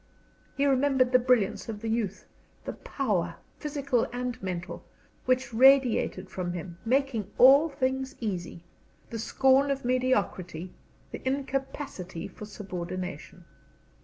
He remembered the brillance of the youth; the power, physical and mental, which radiated from him, making all things easy; the scorn of mediocrity, the incapacity for subordination.